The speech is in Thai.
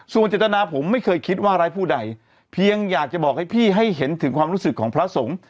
ส่วนเจตนาผมไม่เคยคิดว่าร้ายผู้ใดเพียงอยากจะบอกให้พี่ให้เห็นถึงความรู้สึกของพระสงฆ์